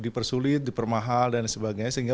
di persulit dipermahal dan sebagainya